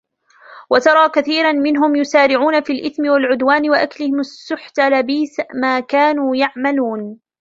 وترى كثيرا منهم يسارعون في الإثم والعدوان وأكلهم السحت لبئس ما كانوا يعملون